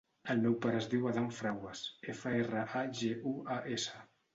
El meu pare es diu Adán Fraguas: efa, erra, a, ge, u, a, essa.